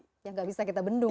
yang gak bisa kita bendung